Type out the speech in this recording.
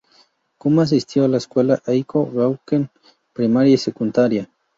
Kuma asistió a la escuela Eiko Gakuen primaria y secundaria.